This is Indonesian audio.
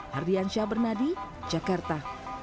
hardian syahbernadi jakarta